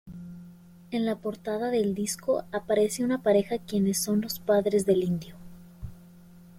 En la portada del disco aparece una pareja quienes son los padres del Indio.